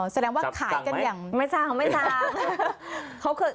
อ๋อแสดงว่าขายกันอย่างจับจังไหมไม่จังไม่จัง